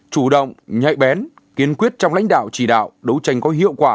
chủ động nhạy bén kiên quyết trong lãnh đạo chỉ đạo đấu tranh có hiệu quả